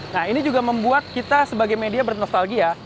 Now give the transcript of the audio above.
nah ini juga membuat kita sebagai media bernostalgia